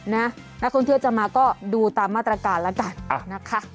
นักท่องเที่ยวจะมาก็ดูตามมาตรการแล้วกันนะคะ